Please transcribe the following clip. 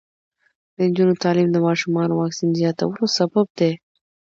د نجونو تعلیم د ماشومانو واکسین زیاتولو سبب دی.